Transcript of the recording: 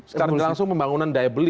secara langsung pembangunan daya beli